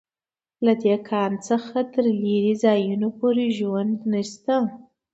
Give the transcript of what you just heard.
له دې کان څخه تر لېرې ځایونو پورې ژوند نشته